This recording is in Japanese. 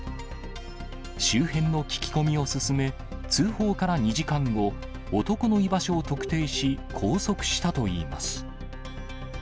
周辺の聞き込みを進め、通報から２時間後、男の居場所を特定し、拘束したといいます。